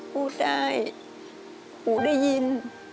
พูดได้ปูได้ยิน